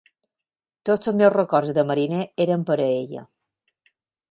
Tots els meus records de mariner eren per a ella.